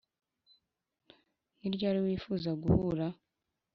ni ryari wifuza guhura?